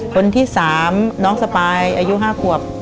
คนที่๓น้องสปายอายุ๕ขวบ